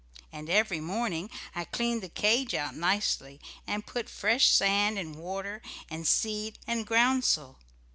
And every morning I cleaned the cage out nicely, and put fresh sand and water, and seed, and groundsel.